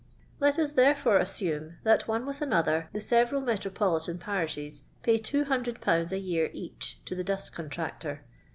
Let us, therefore, assume, that one with another, the several metropolitan parishes pay 200/. a year each to the dust contractor.